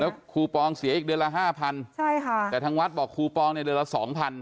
แล้วครูปองเสียอีกเดือนละ๕๐๐๐ใช่ค่ะแต่ทางวัดบอกครูปองเนี่ยเดือนละ๒๐๐๐